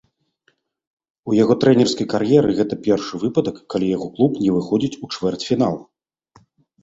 У яго трэнерскай кар'еры, гэта першы выпадак, калі яго клуб не выходзіць у чвэрцьфінал.